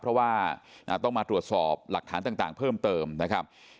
เพราะว่าต้องมาตรวจสอบหลักฐานต่างเพิ่มเติมนะครับ